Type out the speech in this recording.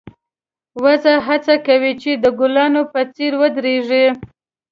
وزه هڅه کوله چې د ګلانو په څېر ودرېږي.